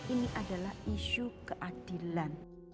ini adalah issue keadilan